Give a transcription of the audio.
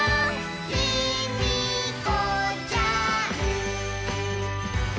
「ヒミコちゃん」